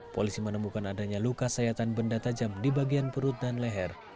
polisi menemukan adanya luka sayatan benda tajam di bagian perut dan leher